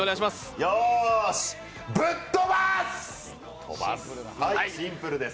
よーしぶっ飛ばす！